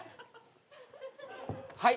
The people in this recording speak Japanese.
はい。